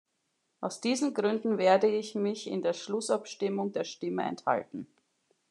Aus diesen Gründen werde ich mich in der Schlussabstimmung der Stimme enthalten.